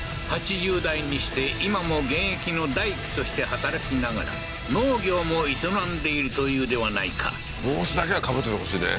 ８０代にして今も現役の大工として働きながら農業も営んでいるというではないか帽子だけはかぶっててほしいね